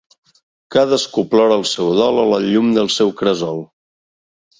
Cadascú plora el seu dol a la llum del seu cresol.